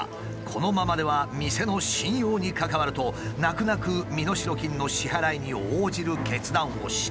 このままでは店の信用に関わると泣く泣く身代金の支払いに応じる決断をした。